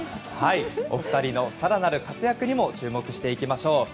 お二人の更なる活躍にも注目していきましょう。